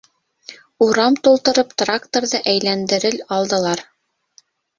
Урам тултырып тракторҙы әйләндерел алдылар.